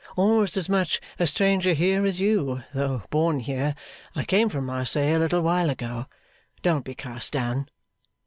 Almost as much a stranger here as you, though born here, I came from Marseilles a little while ago. Don't be cast down.